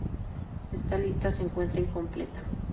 Esta lista se encuentra incompleta.